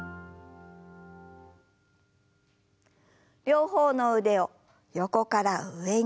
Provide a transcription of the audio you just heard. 両方の腕を横から上に。